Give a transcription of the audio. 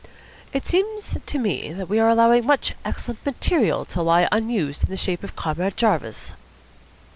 "It seems to me that we are allowing much excellent material to lie unused in the shape of Comrade Jarvis."